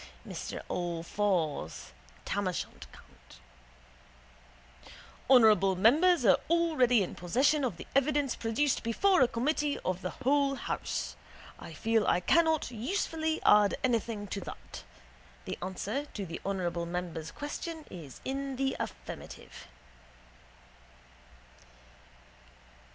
Mr Allfours (Tamoshant. Con.): Honourable members are already in possession of the evidence produced before a committee of the whole house. I feel I cannot usefully add anything to that. The answer to the honourable member's question is in the affirmative.